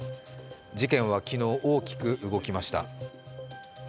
事件は昨日、大きく動きました。